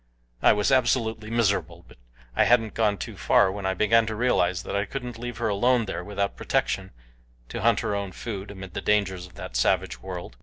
I was absolutely miserable, but I hadn't gone too far when I began to realize that I couldn't leave her alone there without protection, to hunt her own food amid the dangers of that savage world.